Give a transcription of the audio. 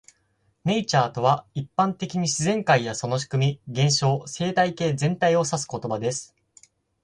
"Nature" とは、一般的に自然界やその仕組み、現象、生態系全体を指す言葉です。